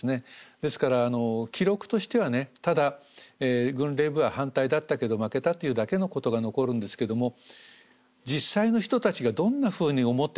ですから記録としてはねただ軍令部は反対だったけど負けたというだけのことが残るんですけども実際の人たちがどんなふうに思ってたか。